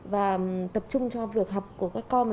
và tập trung cho việc học của các con